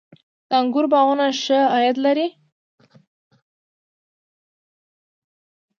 د انګورو باغونه ښه عاید لري؟